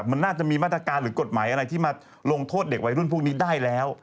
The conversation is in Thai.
มันน่าจะมีมาตรการหรือกฎหมายอะไรที่มาลงโทษเด็กวัยรุ่นพวกนี้ได้แล้ว